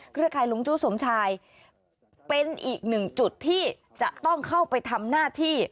ข่ายลุงจู้สมชายเป็นอีกหนึ่งจุดที่จะต้องเข้าไปทำหน้าที่